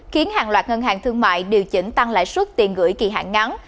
khiến hàng loạt ngân hàng thương mại điều chỉnh tăng lãi suất tiền gửi kỳ hạn ngắn